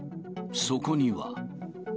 そこには。